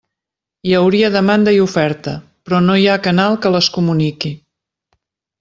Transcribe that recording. Hi hauria demanda i oferta, però no hi ha canal que les comuniqui.